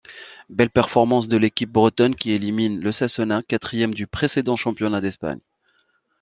Belle performance de l'équipe bretonne qui élimine l'Osasuna, quatrième du précédent championnat d'Espagne.